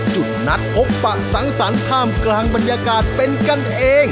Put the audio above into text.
จุดนัดพบปะสังสรรค์ท่ามกลางบรรยากาศเป็นกันเอง